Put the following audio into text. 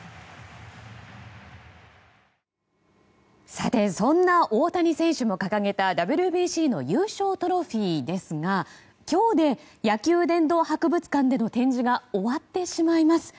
さて、そんな大谷選手も掲げたＷＢＣの優勝トロフィーですが今日で野球殿堂博物館での展示が終わってしまいます。